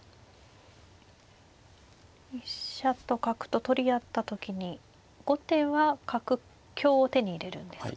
飛車と角と取り合った時に後手は角香を手に入れるんですか。